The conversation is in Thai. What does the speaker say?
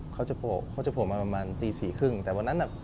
เขาจะโผล่มาประมาณตี๔๓๐แต่วันนั้นน่ะ